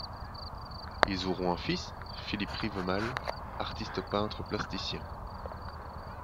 Ils auront un fils, Philippe Rivemale, artiste peintre plasticien.